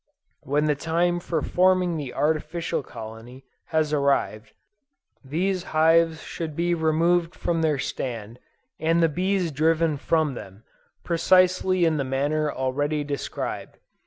When the time for forming the artificial colony has arrived, these hives should be removed from their stand, and the bees driven from them, precisely in the manner already described.